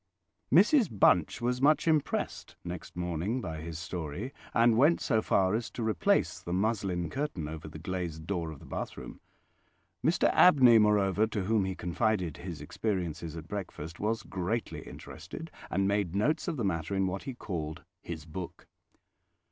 Mrs Bunch was much impressed next morning by his story, and went so far as to replace the muslin curtain over the glazed door of the bathroom. Mr Abney, moreover, to whom he confided his experiences at breakfast, was greatly interested, and made notes of the matter in what he called "his book".